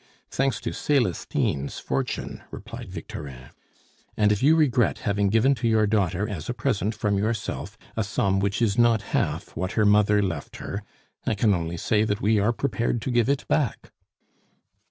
"Thanks to Celestine's fortune," replied Victorin. "And if you regret having given to your daughter as a present from yourself, a sum which is not half what her mother left her, I can only say that we are prepared to give it back."